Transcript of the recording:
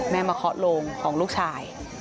มาเคาะโลงของลูกชาย